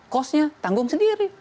costnya tanggung sendiri